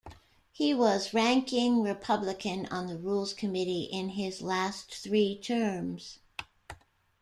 He was Ranking Republican on the Rules Committee in his last three terms.